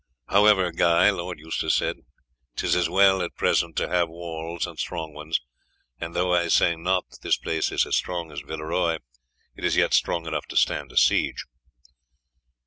"However, Guy," Lord Eustace said, "'tis as well at present to have walls, and strong ones; and though I say not that this place is as strong as Villeroy, it is yet strong enough to stand a siege."